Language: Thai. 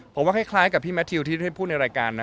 ผมว่าคล้ายกับพี่แมททิวที่ได้พูดในรายการนะ